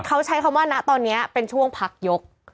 เขาใช้คำว่าณตอนนี้เป็นช่วงพักยก